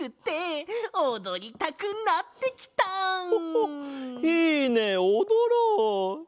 ホホッいいねおどろう！